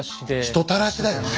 人たらしだよね。